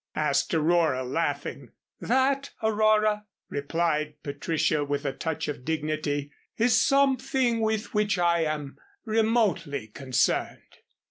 asked Aurora, laughing. "That, Aurora," replied Patricia with a touch of dignity, "is something with which I am remotely concerned."